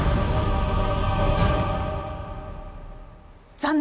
残念。